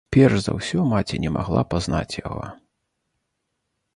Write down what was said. Перш за ўсё маці не магла пазнаць яго.